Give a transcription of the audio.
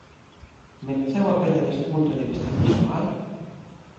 Mereceu a pena desde o punto de vista persoal?